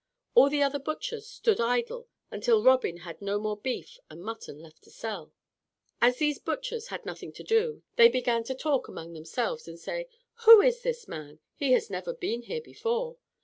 All the other butchers stood idle until Robin had no more beef and mutton left to sell. As these butchers had nothing to do, they began to talk among themselves and say, "Who is this man? He has never been here before."